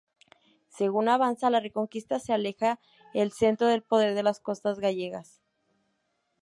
Según avanza la Reconquista se aleja el centro de poder de las costas gallegas.